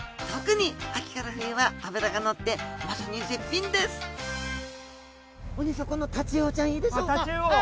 特に秋から冬は脂がのってまさに絶品ですタチウオ。